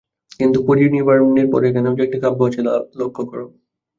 কিন্তু পরিনির্বাণের পর, এখানেও যে একটি কাব্য আছে, তা লক্ষ্য কর।